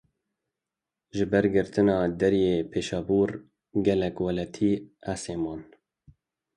Ji ber girtina deriyê Pêşabûr gelek welatî asê man.